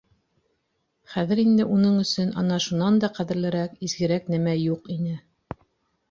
Хәҙер инде уның өсөн ана шунан да ҡәҙерлерәк, изгерәк нәмә юҡ ине.